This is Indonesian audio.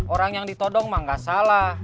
orang yang ditodong mah gak salah